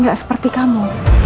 gak seperti kamu